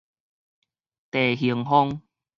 地衡風